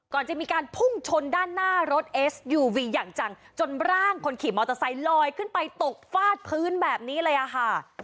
ก่อนจะมีการพุ่งชนด้านหน้ารถเอสยูวีอย่างจังจนร่างคนขี่มอเตอร์ไซค์ลอยขึ้นไปตกฟาดพื้นแบบนี้เลยอะค่ะ